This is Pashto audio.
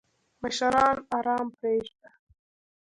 مشران آرام پریږده!